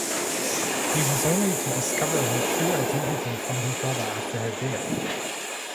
He was only to discover her true identity from her brother after her death.